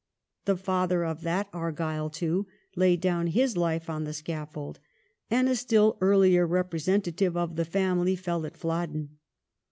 The father of that Argyle, too, laid down his life on the scaffold, and a still earlier representative of the family fell at Plodden.